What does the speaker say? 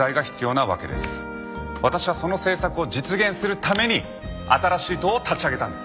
私はその政策を実現するために新しい党を立ち上げたんです。